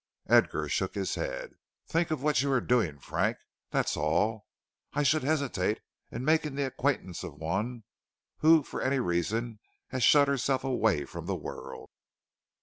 Edgar shook his head. "Think what you are doing, Frank, that's all. I should hesitate in making the acquaintance of one who for any reason has shut herself away from the world."